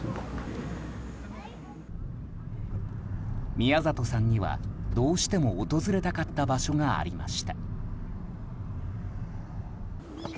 宮里さんには、どうしても訪れたかった場所がありました。